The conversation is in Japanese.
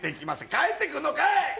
帰ってくんのかい！